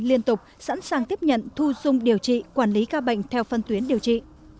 liên tục sẵn sàng tiếp nhận thu dung điều trị quản lý ca bệnh theo phân tuyến điều trị